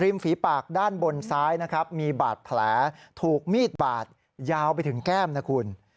ฝีปากด้านบนซ้ายนะครับมีบาดแผลถูกมีดบาดยาวไปถึงแก้มนะคุณ